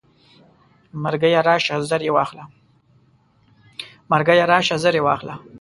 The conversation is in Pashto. مرګیه راشه زر یې واخله.